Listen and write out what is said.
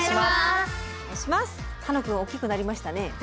楽くん大きくなりましたね。